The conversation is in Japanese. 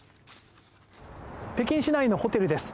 北京市内のホテルです。